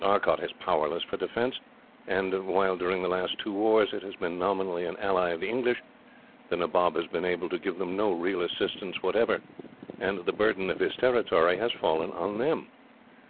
Arcot is powerless for defence, and while, during the last two wars, it has been nominally an ally of the English, the Nabob has been able to give them no real assistance whatever, and the burden of his territory has fallen on them.